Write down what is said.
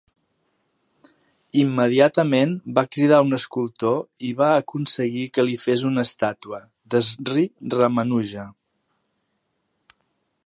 Immediatament va cridar un escultor i va aconseguir que li fes una estàtua d'Sri Ramanuja.